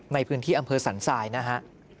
ในพื้นที่อำเภอสันทรายนะฮะ